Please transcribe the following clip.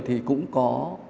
thì cũng có